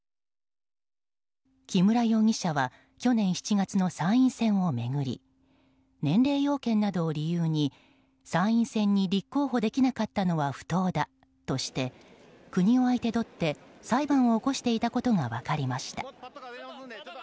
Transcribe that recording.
木村容疑者は去年７月の参院選を巡り年齢要件などを理由に参院選に立候補できなかったのは不当だとして、国を相手取って裁判を起こしていたことが分かりました。